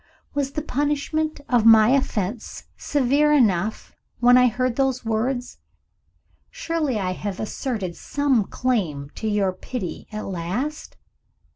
Was the punishment of my offense severe enough, when I heard those words? Surely I have asserted some claim to your pity, at last?